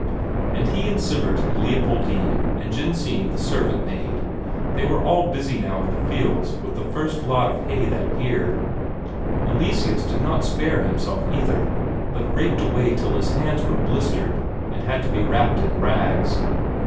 And he and Sivert and Leopoldine, and Jensine the servant maid, they were all busy now in the fields with the first lot of hay that year. Eleseus did not spare himself either, but raked away till his hands were blistered and had to be wrapped in rags.